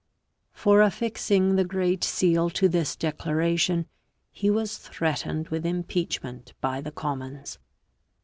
For affixing the great seal to this declaration he was threatened with impeachment by the Commons.